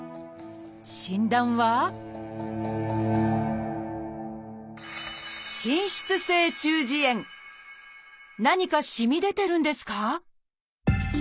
診断は何かしみ出てるんですか？